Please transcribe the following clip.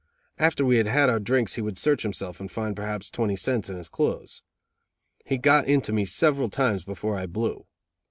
After we had had our drinks he would search himself and only find perhaps twenty cents in his clothes. He got into me several times before I "blew".